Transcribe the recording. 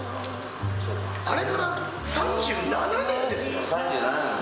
あれから３７年ですよ。